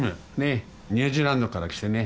ニュージーランドから来てね